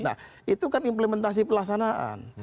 nah itu kan implementasi pelaksanaan